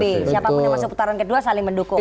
siapapun yang masuk putaran kedua saling mendukung